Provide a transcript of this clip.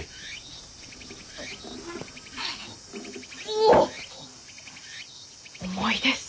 おお重いです。